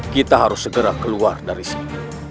kita harus segera keluar dari sini